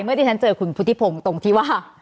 เมื่อที่ฉันเจอคุณพุทธิพงตรงที่ว่า